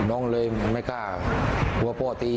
น้องเลยไม่กล้ากลัวพ่อตี